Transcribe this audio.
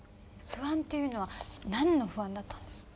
不安っていうのは何の不安だったんです？